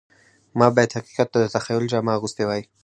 ما باید حقیقت ته د تخیل جامه اغوستې وای